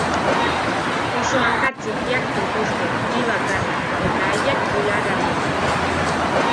Oso hanka txikiak dituzte, bi bakarrik, eta haiek bularraldean.